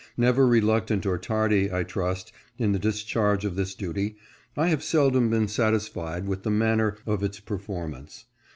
Never reluctant or tardy, I trust, in the discharge of this duty, I have seldom been satisfied with the manner of its performance.